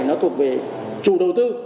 nó thuộc về chủ đầu tư